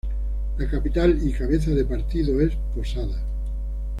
La capital y cabeza de partido es Posadas.